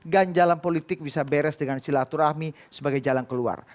ganjalan politik bisa beres dengan silaturahmi sebagai jalan keluar